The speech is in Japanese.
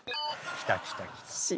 きたきたきた。